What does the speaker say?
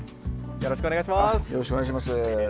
よろしくお願いします。